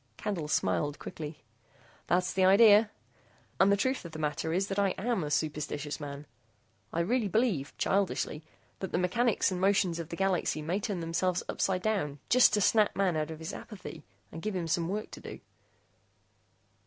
Candle smiled quickly. "That's the idea. And the truth of the matter is that I am a superstitious man. I really believe, childishly, that the mechanics and motions of the galaxy may turn themselves upsidedown just to snap man out of his apathy and give him some work to do."